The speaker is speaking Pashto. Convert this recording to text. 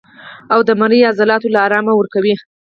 او د مرۍ عضلاتو له ارام ورکوي